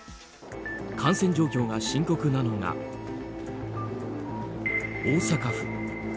感染状況が深刻なのが大阪府。